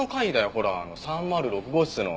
ほらあの３０６号室の。